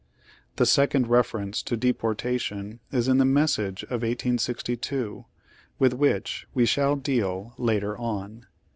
The second reference to "deportation" is in the Message of 1862, with which we shall deal later on.